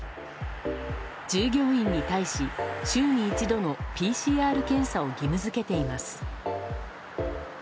従業員に対し、週に１度のＰＣＲ検査を義務付けています。